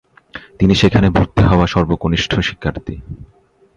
তিনি সেখানে ভর্তি হওয়া সর্বকনিষ্ঠ শিক্ষার্থী।